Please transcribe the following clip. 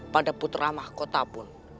pada putra mahkota pun